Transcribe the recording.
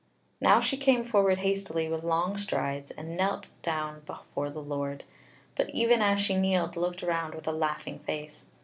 Now she came forward hastily with long strides, and knelt adown before the Lord, but even as she kneeled looked round with a laughing face.